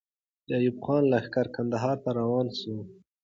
د ایوب خان لښکر کندهار ته روان سو.